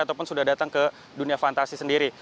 ataupun sudah datang ke dunia fantasi sendiri